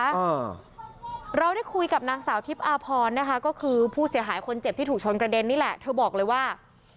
อ่าเราได้คุยกับนางสาวทิพย์อาพรนะคะก็คือผู้เสียหายคนเจ็บที่ถูกชนกระเด็นนี่แหละเธอบอกเลยว่า